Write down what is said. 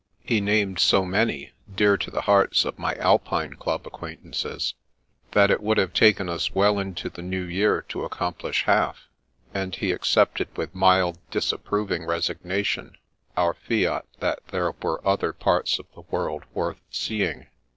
He named so many, dear to the hearts of my Alpine Club acquaintances, that it would have taken us well into th# new year to accomplish half; and he accepted with mild, dis approving resignation our fiat that there were other parts of the world worth seeing.